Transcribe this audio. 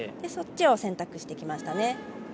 そっちを選択していきましたね。